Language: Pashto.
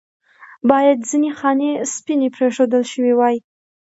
باید ځنې خانې سپینې پرېښودل شوې واې.